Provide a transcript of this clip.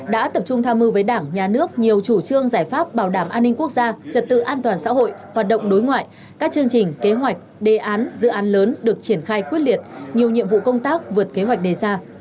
đã tập trung tham mưu với đảng nhà nước nhiều chủ trương giải pháp bảo đảm an ninh quốc gia trật tự an toàn xã hội hoạt động đối ngoại các chương trình kế hoạch đề án dự án lớn được triển khai quyết liệt nhiều nhiệm vụ công tác vượt kế hoạch đề ra